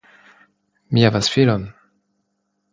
Mi havas filon!